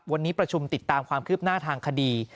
วันนี้ประชุมติดตามความคืบหน้าทางคดี